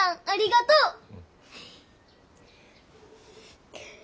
ありがとう！